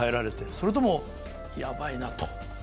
それともやばいなと？